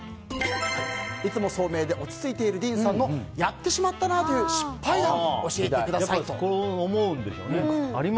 いつも聡明で落ち着いているディーンさんのやってしまったなという失敗談をこう思うんでしょうね。